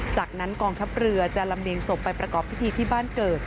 จากนั้นกองทัพเรือจะลำเลียงศพไปประกอบพิธีที่บ้านเกิด